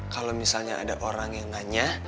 kalau misalnya ada orang yang nanya